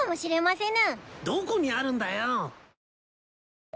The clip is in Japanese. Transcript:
どこにあるんだよ。